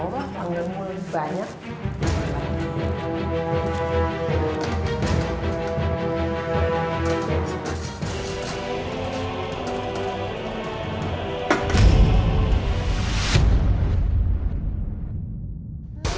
tau lah panggilanmu lebih banyak